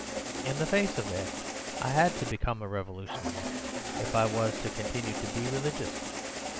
In the face of that I had to become a revolutionary if I was to continue to be religious.